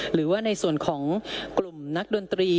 หรือว่าในส่วนของกลุ่มนักดนตรี